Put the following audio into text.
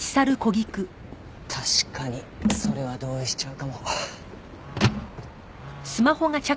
確かにそれは同意しちゃうかも。